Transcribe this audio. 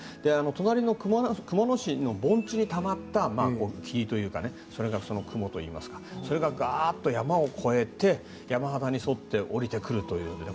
隣の熊野市の盆地にたまった雲といいますかそれが、がーっと山を越えて山肌に沿って降りてくるという。